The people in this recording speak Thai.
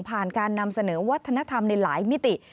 การนำเสนอวัฒนธรรมในหลายมิติ